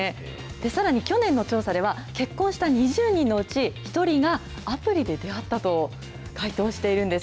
さらに去年の調査では、結婚した２０人のうち１人が、アプリで出会ったと回答しているんです。